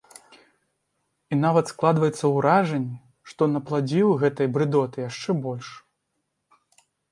І нават складваецца ўражанне, што напладзіў гэтай брыдоты яшчэ больш.